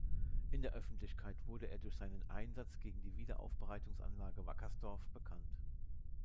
In der Öffentlichkeit wurde er durch seinen Einsatz gegen die Wiederaufarbeitungsanlage Wackersdorf bekannt.